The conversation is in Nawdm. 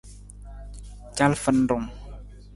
Calafarung.